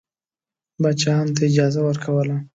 پاچاهانو ته اجازه ورکوله.